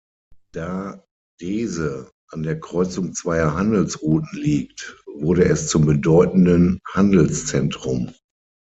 Da Dese an der Kreuzung zweier Handelsrouten liegt, wurde es zum bedeutenden Handelszentrum.